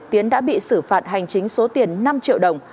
tiến đã bị xử phạt hành chính số tiền năm triệu đồng